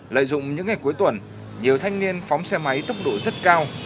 lợi dụng những ngày cuối tuần nhiều thanh niên phóng xe máy tốc độ rất cao